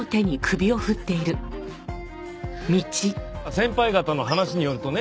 先輩方の話によるとね